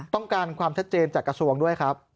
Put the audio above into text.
ต้องการความชัดเจนจากกระทรวงด้วยครับ